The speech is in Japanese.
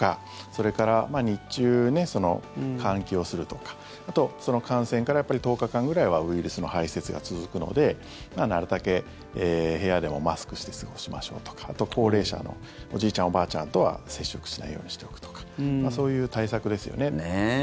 それから日中、換気をするとかあと感染からやっぱり１０日間ぐらいはウイルスの排せつが続くのでなるたけ部屋でもマスクして過ごしましょうとかあと高齢者のおじいちゃん、おばあちゃんとは接触しないようにしておくとかそういう対策ですよね。